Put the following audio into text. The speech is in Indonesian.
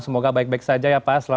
semoga baik baik saja ya pak